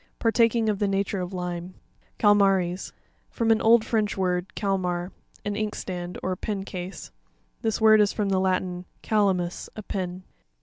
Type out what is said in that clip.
Partaking of the nature of lime. Catma''ries.—From an old French word, calmar, an inkstand, or a pen case; this word is from the Latin, calamus,a pen.